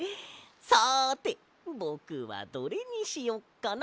さてぼくはどれにしよっかな。